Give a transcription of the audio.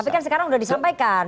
tapi kan sekarang sudah disampaikan